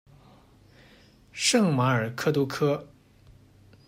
圣马尔克杜科。